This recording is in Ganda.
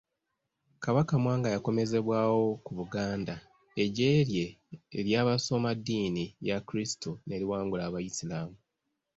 Kabaka Mwanga yakomezebwawo ku Buganda, eggye lye ery'abasoma eddiini ya Kristu ne liwangula Abaisiraamu.